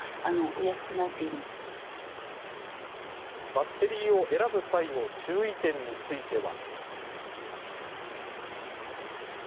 バッテリーを選ぶ際の注意点については。